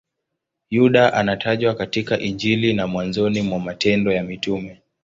Yuda anatajwa katika Injili na mwanzoni mwa Matendo ya Mitume.